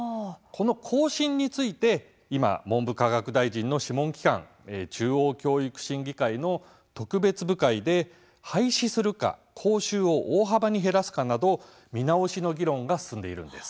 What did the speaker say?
更新について今、文部科学大臣の諮問機関、中央教育審議会の特別部会で廃止するか講習を大幅に減らすかなど見直しの議論が進んでいるんです。